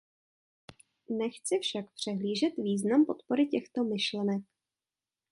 Nechci však přehlížet význam podpory těchto myšlenek.